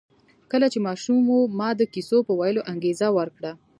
کله چې ماشوم و ما د کیسو په ویلو انګېزه ورکړه